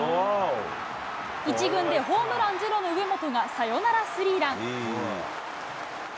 １軍でホームランゼロの上本がサヨナラスリーラン。